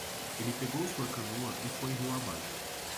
Ele pegou sua canoa e foi rio abaixo.